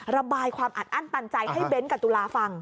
ระบายความอัดอั้นตันใจให้เบ้นกับตุลาฟัง